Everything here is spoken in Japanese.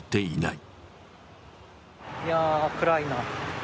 いや、暗いな。